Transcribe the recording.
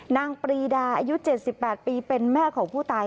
นางปรีดาอายุเจ็ดสิบแปดปีเป็นแม่ของผู้ตาย